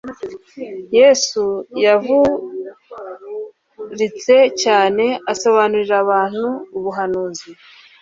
Yesu yaravuruitse cyane asobanurira abantu ubuhanuzi